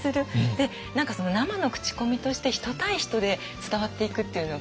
でその生の口コミとして人対人で伝わっていくっていうのが。